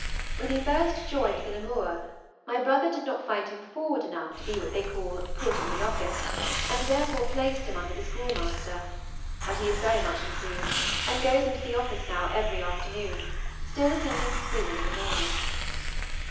When he first joined the "Namur," my brother did not find him forward enough to be what they call put in the office, and therefore placed him under the schoolmaster; but he is very much improved, and goes into the office now every afternoon, still attending school in the morning.